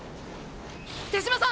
手嶋さん